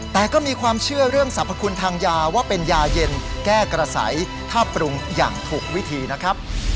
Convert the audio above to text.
แต่ก็มีความเชื่อเรื่องสรรพคุณทางยาว่าเป็นยาเย็นแก้กระสัยถ้าปรุงอย่างถูกวิธีนะครับ